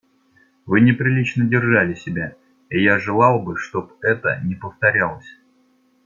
Вы неприлично держали себя, и я желал бы, чтоб это не повторялось.